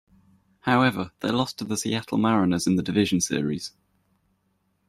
However, they lost to the Seattle Mariners in the Division Series.